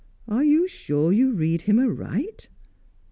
"Are you sure you read him aright?"